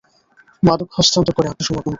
মাদক হস্তান্তর করে আত্মসমর্পণ কর।